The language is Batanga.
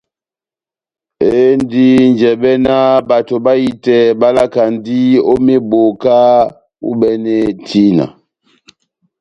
Endi njɛbɛ ná bato bahitɛ bá lakand'ó meboka u'bɛne tina.